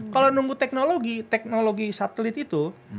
kalau nunggu teknologi teknologi satelit itu